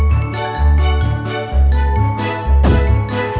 theointungoko instagram meng service setelah k everlastingia